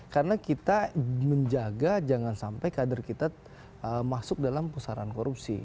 karena kita menjaga jangan sampai kader kita masuk dalam pusaran korupsi